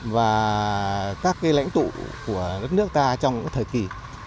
và các cái lãnh tụ của đất nước ta trong cái thời kỳ